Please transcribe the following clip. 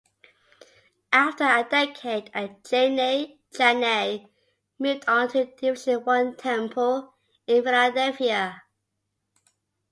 After a decade at Cheyney, Chaney moved on to Division One Temple in Philadelphia.